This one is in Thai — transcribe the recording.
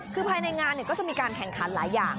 คือภายในงานก็จะมีการแข่งขันหลายอย่าง